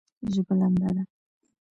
ژبه لمده ده